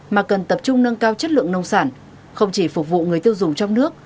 mà cần tập trung nâng cao chất lượng nông sản không chỉ phục vụ người tiêu dùng trong nước